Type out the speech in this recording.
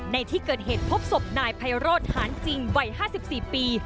ในที่เกิดเหตุพบศพนายไพโรธหานจริงวัย๕๔ปี